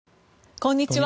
こんにちは。